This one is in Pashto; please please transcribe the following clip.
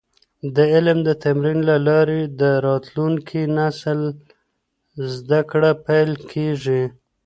د علم د تمرین له لارې د راتلونکي نسل زده کړه پېل کیږي.